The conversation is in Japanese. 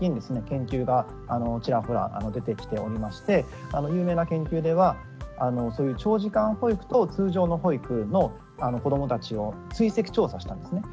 研究がチラホラ出てきておりまして有名な研究ではそういう長時間保育と通常の保育の子どもたちを追跡調査したんですね。